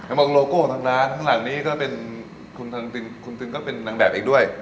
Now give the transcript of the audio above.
ถ้าบอกโลโก้ของทางร้านทางหลังนี้ก็เป็นคุณถึงก็เป็นนางแบบอีกด้วย